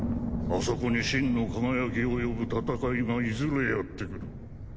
あそこに真の輝きを呼ぶ戦いがいずれやってくる。